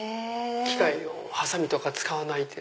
機械をハサミとか使わないで。